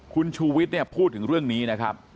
คุณชูวิทย์เนี่ยพูดถึงเรื่องนี้นะครับ